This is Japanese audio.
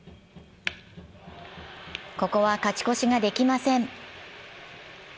ここは勝ち越しができません。